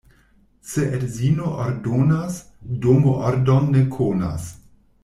Se edzino ordonas, domo ordon ne konas.